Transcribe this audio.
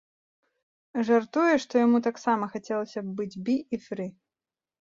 Жартуе, што яму таксама хацелася б быць бі і фры.